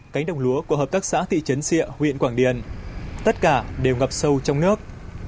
cánh đồng lúa của hợp tác xã thị trấn xịa huyện quảng điền tất cả đều ngập sâu trong nước